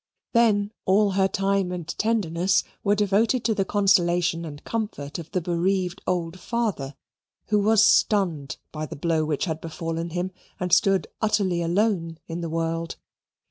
Then all her time and tenderness were devoted to the consolation and comfort of the bereaved old father, who was stunned by the blow which had befallen him, and stood utterly alone in the world.